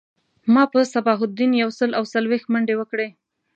ما په صباح الدین یو سل او څلویښت منډی وکړی